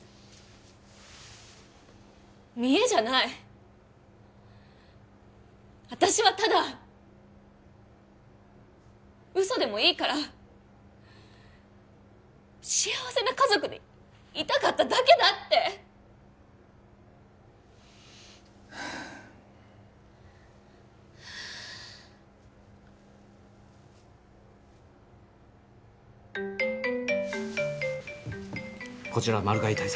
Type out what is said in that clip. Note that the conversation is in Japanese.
見栄じゃない私はただ嘘でもいいから幸せな家族でいたかっただけだってこちらマル害対策